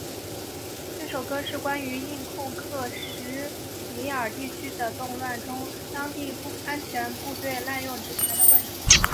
这首歌是关于印控克什米尔地区的动乱中当地安全部队滥用职权的问题。